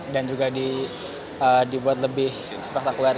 dan juga dibuat lebih sepak takluar